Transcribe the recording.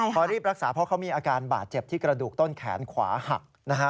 พอรีบรักษาเพราะเขามีอาการบาดเจ็บที่กระดูกต้นแขนขวาหักนะฮะ